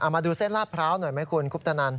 มาดูเส้นลาดพร้าวหน่อยไหมคุณคุปตนัน